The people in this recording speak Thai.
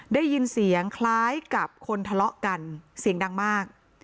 ได้ยินเสียงคล้ายกับคนทะเลาะกันเสียงดังมาก